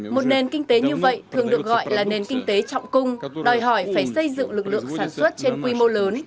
một nền kinh tế như vậy thường được gọi là nền kinh tế trọng cung đòi hỏi phải xây dựng lực lượng sản xuất trên quy mô lớn